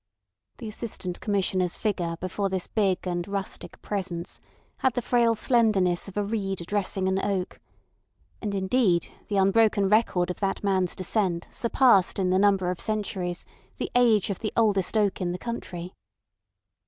The Assistant Commissioner's figure before this big and rustic Presence had the frail slenderness of a reed addressing an oak. And indeed the unbroken record of that man's descent surpassed in the number of centuries the age of the oldest oak in the country.